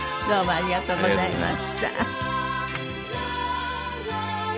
ありがとうございます。